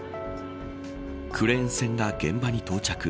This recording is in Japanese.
クレーン船が現場に到着。